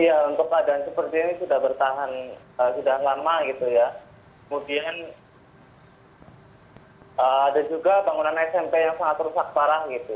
iya untuk keadaan seperti ini sudah bertahan sudah lama gitu ya kemudian ada juga bangunan smp yang sangat rusak parah gitu